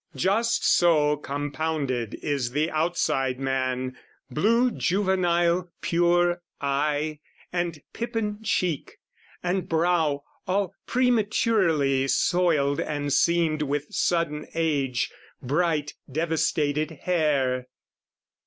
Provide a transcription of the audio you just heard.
Just so compounded is the outside man, Blue juvenile, pure eye, and pippin cheek, And brow all prematurely soiled and seamed With sudden age, bright devastated hair.